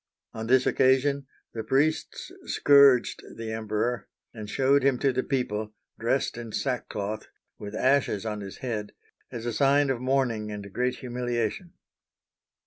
On this occasion the priests scourged the Emperor, and showed him to the people, dressed in sackcloth, with ashes on his head, as a sign of mourning and great humiliation.